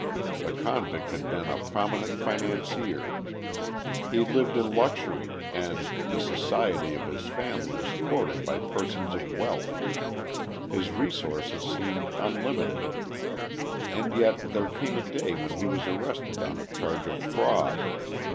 The con vict had been a prominent financier. He lived in luxury and the society of his family was courted by persons of wealth. Ilis resources seemed unlimited. And yet there came a day when he was arrested on a charge of fraud.